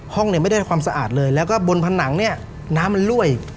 เนี่ยไม่ได้ความสะอาดเลยแล้วก็บนผนังเนี่ยน้ำมันรั่วย